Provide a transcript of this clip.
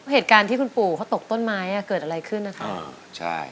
เหตุการณ์ที่คุณปู่เขาตกต้นไม้อ่ะเกิดอะไรขึ้นนะครับใช่